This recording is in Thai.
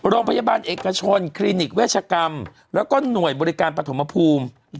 โรงพยาบาลเอกชนคลินิกเวชกรรมแล้วก็หน่วยบริการปฐมภูมิ